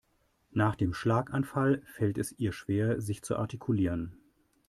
Nach dem Schlaganfall fällt es ihr schwer sich zu artikulieren.